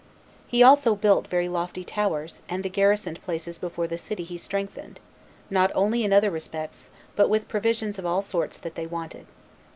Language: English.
He also built very lofty towers, and the garrisoned places before the city he strengthened, not only in other respects, but with provisions of all sorts that they wanted.